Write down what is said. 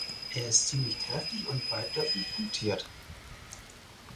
Er ist ziemlich kräftig und weitläufig punktiert.